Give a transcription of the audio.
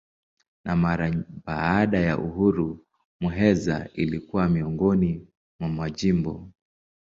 Na mara baada ya uhuru Muheza ilikuwa miongoni mwa majimbo.